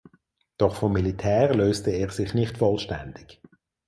Doch vom Militär löste er sich nicht vollständig.